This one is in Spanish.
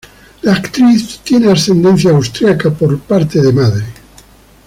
La actriz tiene ascendencia austriaca por parte de madre.